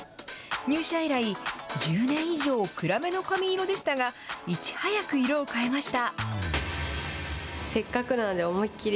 入社以来、１０年以上暗めの髪色でしたがいち早く、色を変えました。